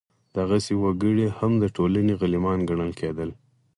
دغسې وګړي هم د ټولنې غلیمان ګڼل کېدل.